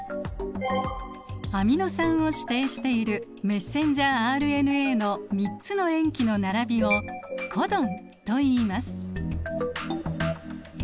アミノ酸を指定しているメッセンジャーＲＮＡの３つの塩基の並びをコドンといいます。